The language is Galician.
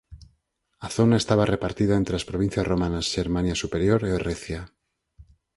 A zona estaba repartida entre as provincias romanas Xermania Superior e Recia.